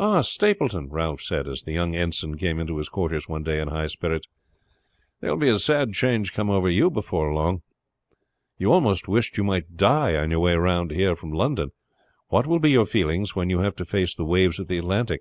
"Ah, Stapleton," Ralph said, as the young ensign came into his quarters one day in high spirits, "there will be a sad change come over you before long. You almost wished you might die on your way round here from London. What will be your feelings when you have to face the waves of the Atlantic?"